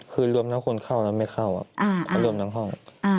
คือรวมทั้งคนเข้าแล้วไม่เข้ามารวมทั้งห้อง